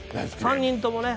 ３人ともね。